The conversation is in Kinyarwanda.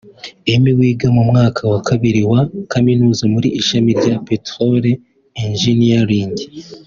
Emmy wiga mu mwaka wa kabiri wa Kaminuza mu ishami rya Petroleum Engineering